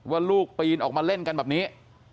ว่าลูกปีนออกมาเล่นกันแบบนี้